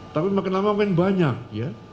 tapi makin lama makin banyak ya